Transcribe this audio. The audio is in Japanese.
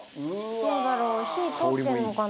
どうだろう？火通ってるのかな？